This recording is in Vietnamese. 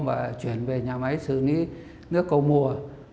và chuyển về nhà máy xử lý nước cầu mùa